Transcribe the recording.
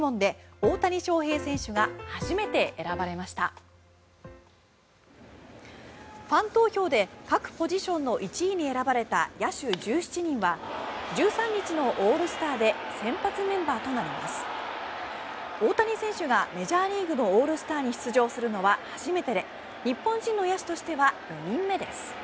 大谷選手がメジャーリーグのオールスターに出場するのは初めてで日本人の野手としては４人目です。